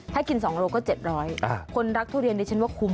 ถ้ากิน๒โลก็๗๐๐คนรักทุเรียนดิฉันว่าคุ้ม